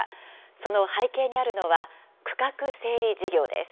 その背景にあるのは、区画整理事業です。